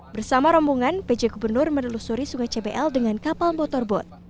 bersama rombongan pj gubernur menelusuri sungai cbl dengan kapal motor boat